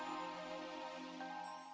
ini surat surat kamu